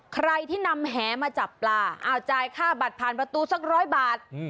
ใครที่นำแหมาจับปลาเอาจ่ายค่าบัตรผ่านประตูสักร้อยบาท